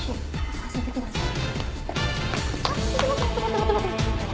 はい。